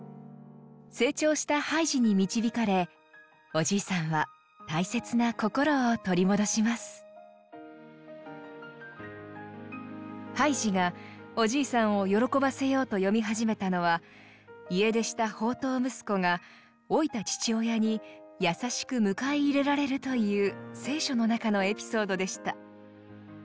成長したハイジに導かれおじいさんはハイジがおじいさんを喜ばせようと読み始めたのは家出した放蕩息子が老いた父親に優しく迎え入れられるという聖書の中のエピソードでした。